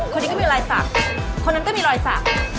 คนนี้ก็มีรอยสักคนนั้นก็มีรอยสัก